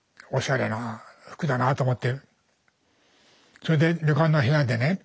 それで旅館の部屋でね